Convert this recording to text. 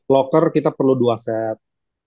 locker kita perlu dua set